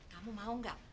kamu mau gak